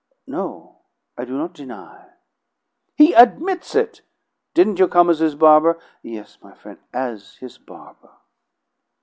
"No, I do not deny." "He admits it! Didn't you come as his barber?" "Yes, my frien', as his barber."